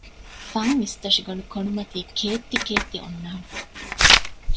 ފަން އިސްތަށިގަނޑު ކޮނޑުމަތީ ކޭއްތި ކޭއްތި އޮންނާނެ